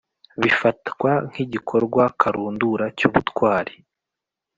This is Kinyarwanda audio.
bifatwa nkigikorwa karundura cyubutwari